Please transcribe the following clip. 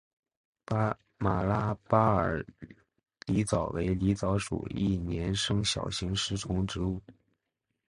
马拉巴尔狸藻为狸藻属一年生小型食虫植物。